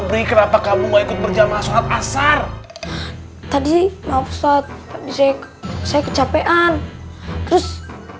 free kenapa kamuaka club bencana asar tadi besok ck sims kecapek an prophe